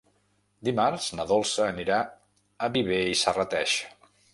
Dimarts na Dolça anirà a Viver i Serrateix.